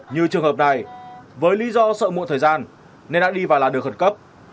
như trường hợp này với lý do sợ muộn thời gian nên đã đi vào làn đường khẩn cấp